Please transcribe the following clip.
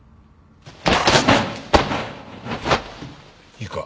いいか。